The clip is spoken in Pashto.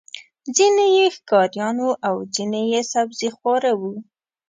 ځینې یې ښکاریان وو او ځینې یې سبزيخواره وو.